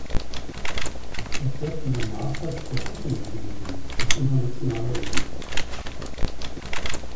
Er fährt in der "Masters Professional Division" auf internationaler Ebene.